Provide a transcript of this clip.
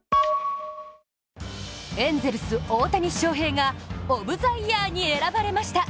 エンゼルス・大谷翔平がオブ・ザ・イヤーに選ばれました。